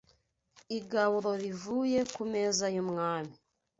igaburo rivuye ku meza y’umwami